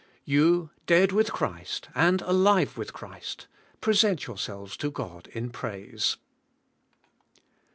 You dead with Christ and alive with Christ, present yourselves to God in praise.